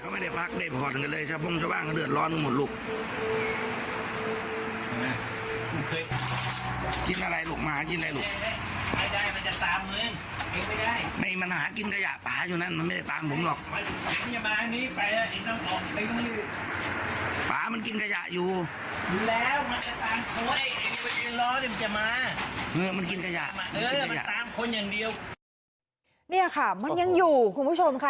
มันตามคนอย่างเดียวเนี่ยค่ะมันยังอยู่คุณผู้ชมค่ะ